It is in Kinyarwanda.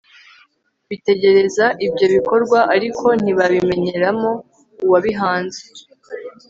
bitegereza ibyo bikorwa, ariko ntibabimenyeramo uwabihanze